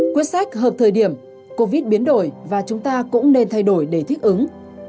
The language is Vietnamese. quyết sách hợp thời điểm covid biến đổi và chúng ta cũng nên thay đổi để thích ứng